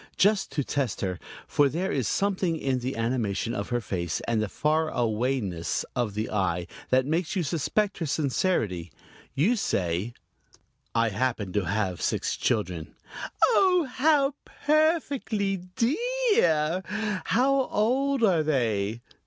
Just to test her, for there is something in the animation of her face and the farawayness of the eye that makes you suspect her sincerity, you say: "I happen to have six children " "Oh, how perfectly dee ar! How old are they?"